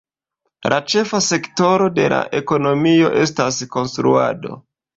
La ĉefa sektoro de la ekonomio estas konstruado.